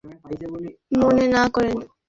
যদি কিছু মনে না করেন?